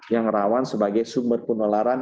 yang rawan sebagai sumber penularan